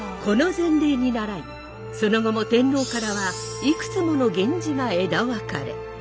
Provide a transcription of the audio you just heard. この前例にならいその後も天皇からはいくつもの源氏が枝分かれ。